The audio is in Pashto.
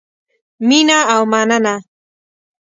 مینه او مننه